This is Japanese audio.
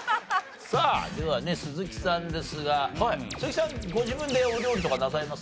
さあではね鈴木さんですが鈴木さんご自分でお料理とかなさいます？